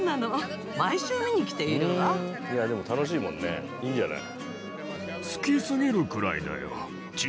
いやでも楽しいもんね。いいんじゃない。